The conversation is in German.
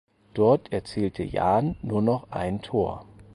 Dort erzielte Jahn nur noch ein Tor.